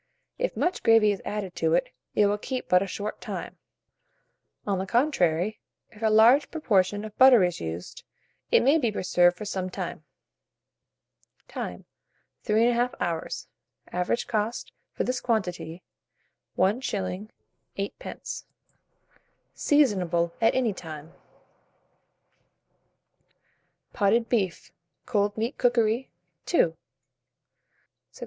If much gravy is added to it, it will keep but a short time; on the contrary, if a large proportion of butter is used, it may be preserved for some time. Time. 3 1/2 hours. Average cost, for this quantity, 1s. 8d. Seasonable at any time. POTTED BEEF (Cold Meat Cookery). II. 643.